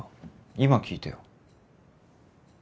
今聞いてよ